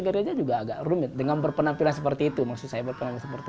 gereja juga agak rumit dengan berpenampilan seperti itu maksud saya berpenampilan seperti itu